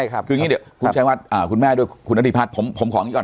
คืออย่างนี้เดี๋ยวคุณแม่ด้วยคุณณธิพัฒน์